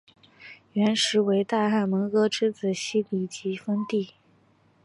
元时为大汗蒙哥之子昔里吉封地。